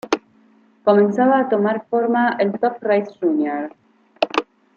Comenzaba a tomar forma el Top Race Junior.